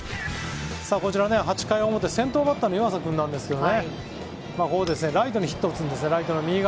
こちら、８回表、先頭バッターの湯浅君なんですが、ライトにヒットを打つんです。